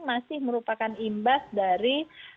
masih merupakan imbas dari